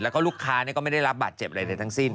แล้วก็ลูกค้าก็ไม่ได้รับบาดเจ็บอะไรเลยทั้งสิ้น